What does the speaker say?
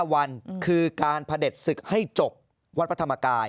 วันคือการพระเด็จศึกให้จบวัดพระธรรมกาย